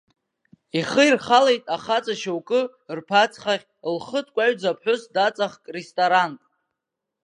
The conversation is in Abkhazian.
Ихы ирхалеит ахаҵа шьоукы рԥацхахь, лхы ҭкәаҩӡа аԥҳәыс даҵахт ресторанк.